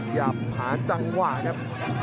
อย่าผ่านจังหวะครับ